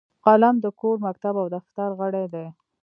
قلم د کور، مکتب او دفتر غړی دی